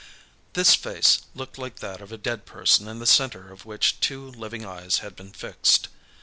This face looked like that of a dead person in the centre of which two living eyes had been fixed.